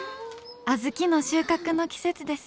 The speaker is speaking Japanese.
小豆の収穫の季節です。